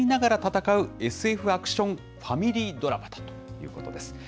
悩みながら戦うＳＦアクション・ファミリードラマということです。